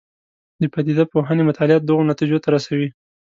د پدیده پوهنې مطالعات دغو نتیجو ته رسوي.